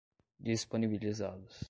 disponibilizados